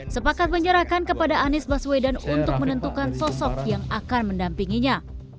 sepakat menyerahkan kepada anies baswedan untuk menentukan sosok yang akan mendampinginya